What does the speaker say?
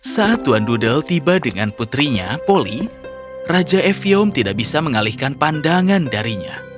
saat tuan dudel tiba dengan putrinya poli raja evium tidak bisa mengalihkan pandangan darinya